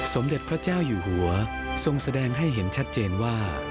สมเด็จพระเจ้าอยู่หัวทรงแสดงให้เห็นชัดเจนว่า